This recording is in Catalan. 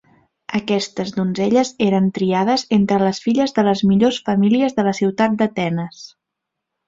Aquestes donzelles eren triades entre les filles de les millors famílies de la ciutat d'Atenes.